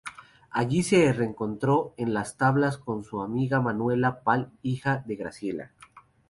Allí se reencontró en las tablas con su amiga Manuela Pal hija de Graciela.